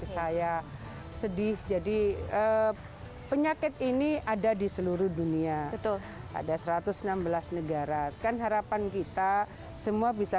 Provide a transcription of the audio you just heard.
saya sedih jadi penyakit ini ada di seluruh dunia betul ada satu ratus enam belas negara kan harapan kita semua bisa